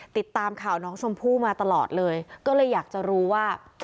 ติดตามข่าวน้องชมพู่มาตลอดเลยก็เลยอยากจะรู้ว่า